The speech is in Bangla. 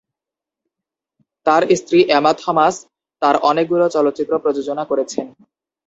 তার স্ত্রী এমা থমাস তার অনেকগুলো চলচ্চিত্র প্রযোজনা করেছেন।